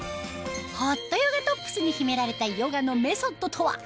ホットヨガトップスに秘められたヨガのメソッドとは？